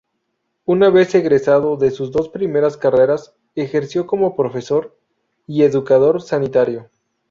Una vez egresado de sus dos primeras carreras, ejerció como profesor y educador sanitario.